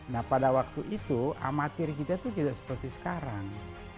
nah pada waktu itu amatir kita itu tidak seperti sekarang